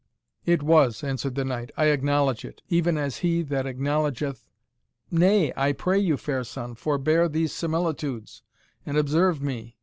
"It was," answered the knight, "I acknowledge it; even as he that acknowledgeth " "Nay, I pray you, fair son, forbear these similitudes, and observe me.